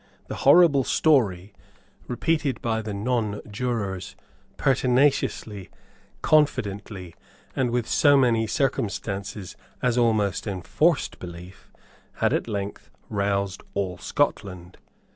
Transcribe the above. The horrible story repeated by the nonjurors pertinaciously, confidently, and with so many circumstances as almost enforced belief, had at length roused all Scotland.